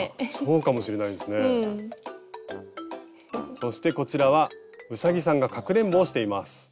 そしてこちらはうさぎさんがかくれんぼをしています。